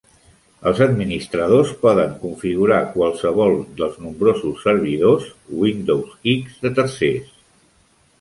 Els administradors poden configurar qualsevol dels nombrosos servidors Windows X de tercers.